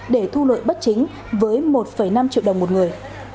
để thu lợi bất chính với một năm triệu đồng một người